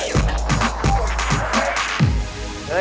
โอเค